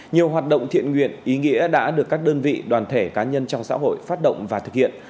nhiều hoạt động thiện nguyện ý nghĩa đã được các đơn vị đoàn thể cá nhân trong xã hội phát động và thực hiện